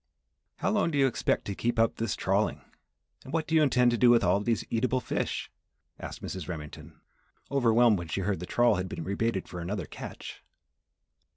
"How long do you expect to keep up this trawling, and what do you intend to do with all of these eatable fish," asked Mrs. Remington, overwhelmed when she heard the trawl had been rebaited for another catch.